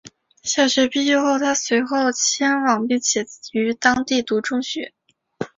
小学毕业后她随后迁往并且于当地就读中学。